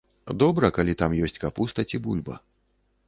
Добра, калі там ёсць капуста ці бульба.